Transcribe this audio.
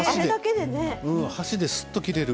箸ですっと切れる。